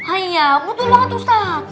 aya betul banget ustadz